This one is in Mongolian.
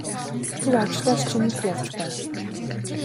Тэр ажлаар чинь л явж байна.